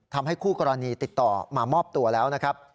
ทำให้คู่กรณีติดต่อมามอบตัวแล้วนะครับ